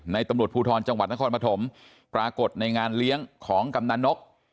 ในตำรวจภูธรจนครปฐมปรากฏในงานเรียงของกำหนังนก